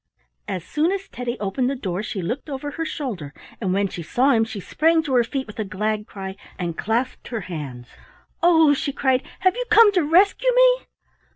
As soon as Teddy opened the door she looked over her shoulder, and when she saw him she sprang to her feet with a glad cry and clasped her hands. "Oh!" she cried, "have you come to rescue me?"